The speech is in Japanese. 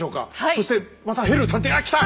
そしてまたヘルー探偵があきた！